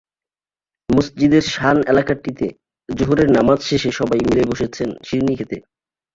মসজিদের শান এলাকাটিতে জোহরের নামাজ শেষে সবাই মিলে বসেছেন শিরনি খেতে।